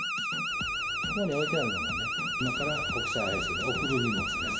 ここに置いてあるのがね、今から国際配送で送る荷物です。